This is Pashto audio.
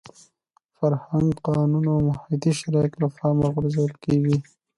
فرهنګ، قانون او محیطي شرایط له پامه غورځول کېږي.